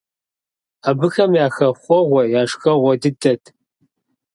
Абыхэм я хэхъуэгъуэ, я шхэгъуэ дыдэт.